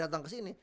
dia datang ke sini